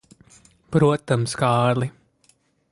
Protams, Kārli.